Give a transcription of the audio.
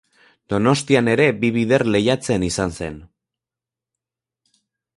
Donostian ere bi bider lehiatzen izan zen.